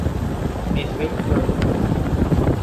Més vell que la tos.